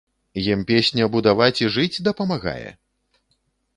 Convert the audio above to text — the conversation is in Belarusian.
Ім песня будаваць і жыць дапамагае?